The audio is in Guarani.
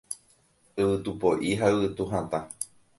Yvytu po'i ha yvytu hatã